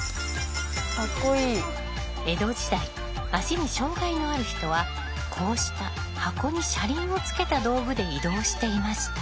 江戸時代足に障害のある人はこうした箱に車輪をつけた道具で移動していました。